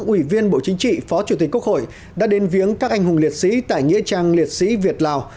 ủy viên bộ chính trị phó chủ tịch quốc hội đã đến viếng các anh hùng liệt sĩ tại nghĩa trang liệt sĩ việt lào